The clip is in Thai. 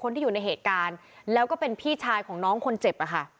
ที่อยู่ในเหตุการณ์แล้วก็เป็นพี่ชายของน้องคนเจ็บอะค่ะ